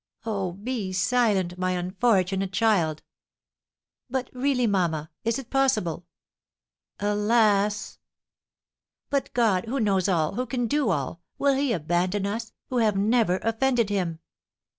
"Oh, be silent, my unfortunate child!" "But really, mamma, is it possible?" "Alas!" "But God, who knows all, who can do all, will he abandon us, who have never offended him?"